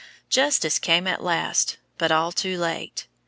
Justice came at last, but all too late.